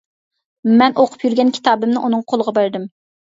مەن ئوقۇپ يۈرگەن كىتابىمنى ئۇنىڭ قولىغا بەردىم.